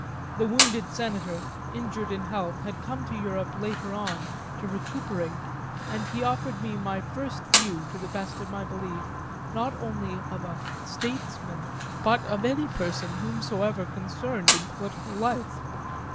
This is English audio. The wounded Senator, injured in health, had come to Europe later on to recuperate, and he offered me my first view, to the best of my belief, not only of a "statesman," but of any person whomsoever concerned in political life.